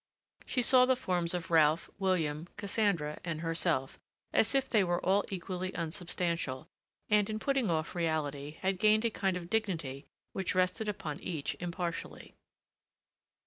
She saw the forms of Ralph, William, Cassandra, and herself, as if they were all equally unsubstantial, and, in putting off reality, had gained a kind of dignity which rested upon each impartially.